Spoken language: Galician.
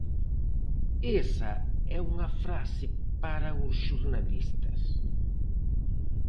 Esa é unha frase para os xornalistas.